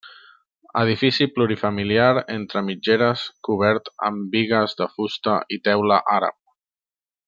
Edifici plurifamiliar entre mitgeres cobert amb bigues de fusta i teula àrab.